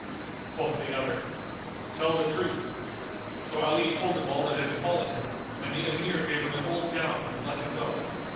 Quoth the other, "Tell the truth."[FN#234] So Ali told him all that had befallen him, and the Emir gave him an old gown and let him go.